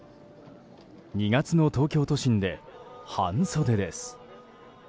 ２月の東京都心で半袖です。